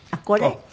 これ？